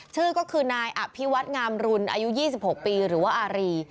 ชื่อก็คือนายอภิวัตงามรุนอายุ๒๖ปีหรือว่าอารี